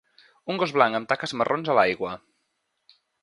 Un gos blanc amb taques marrons a l'aigua.